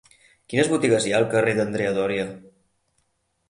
Quines botigues hi ha al carrer d'Andrea Doria?